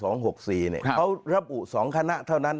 มาตรา๒๖๔เขารับอุ๒คณะเท่านั้น